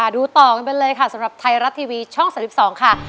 ดูต่อกันไปเลยค่ะสำหรับไทยรัฐทีวีช่อง๓๒ค่ะ